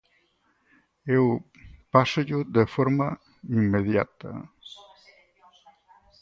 Eu pásollo de forma inmediata.